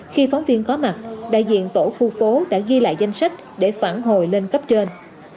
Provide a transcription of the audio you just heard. khi phóng viên có mặt đại diện tổ khu phố đã ghi lại danh sách để phản hồi lên cấp trên